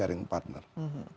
dan sisanya itu dari equity